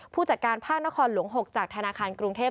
ผู้จัดการภาคนครหลวง๖จากธนาคารกรุงเทพ